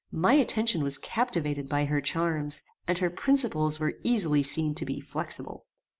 My attention was captivated by her charms, and her principles were easily seen to be flexible.